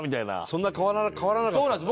そんな変わらなかったんだ。